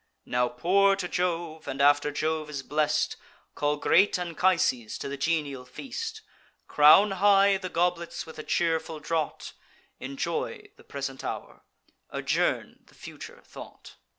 Now pour to Jove; and, after Jove is blest, Call great Anchises to the genial feast: Crown high the goblets with a cheerful draught; Enjoy the present hour; adjourn the future thought."